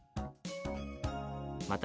また「＃